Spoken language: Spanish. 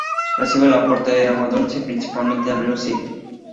Recibe el aporte de agua dulce principalmente del río Side.